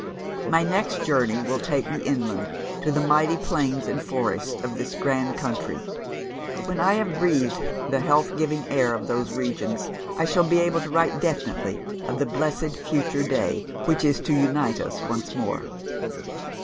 My next journey will take me inland, to the mighty plains and forest of this grand country. When I have breathed the health giving air of those regions, I shall be able to write definitely of the blessed future day which is to unite us once more.